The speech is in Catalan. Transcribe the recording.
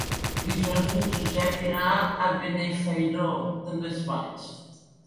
Dijous en Josep irà a Benifairó de les Valls.